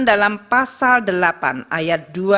bahan bakar dan energi pertambangan